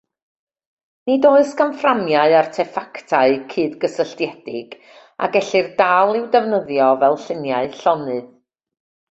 Nid oes gan fframiau arteffactau cydgysylltiedig a gellir dal i'w defnyddio fel lluniau llonydd.